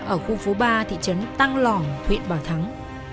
ở khu phố ba thị trấn tăng lỏng huyện bảo thắng